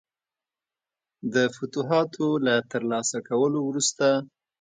د فتوحاتو له ترلاسه کولو وروسته.